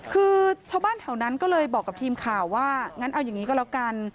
คือชาวบ้านแถวนั้นก็เลยบอกกับทีมข่าวว่างั้นเอาอย่างนี้ก็แล้วกัน